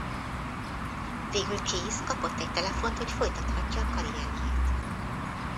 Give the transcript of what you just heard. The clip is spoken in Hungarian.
Végül Case kapott egy telefont hogy folytathatja a karrierjét.